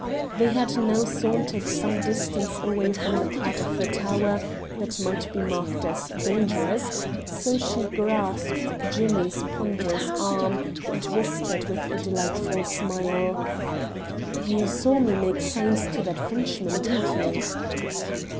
They had now sauntered some distance away from the part of the tower that might be marked "dangerous," so she grasped Jimmy's ponderous arm, and whispered with a delightful smile "You saw me make signs to that Frenchman, didn't you?"